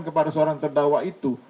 kepada seorang terdakwa itu